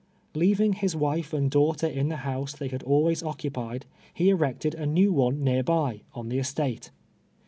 Lt'avinghis wife and {laugh ter in the house they had always occupied, he erected a new one near by, on the estate.